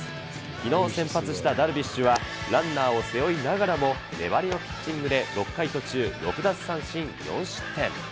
きのう先発したダルビッシュは、ランナーを背負いながらも、粘りのピッチングで６回途中、６奪三振４失点。